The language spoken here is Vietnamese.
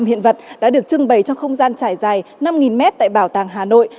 năm hiện vật đã được trưng bày trong không gian trải dài năm mét tại bảo tàng hà nội